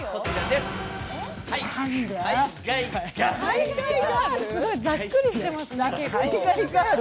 すごいざっくりしてますね。